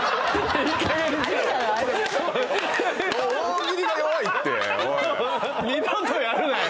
大喜利が弱いっておい